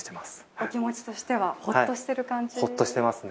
お気持ちとしては、ほっとしてる感じですね。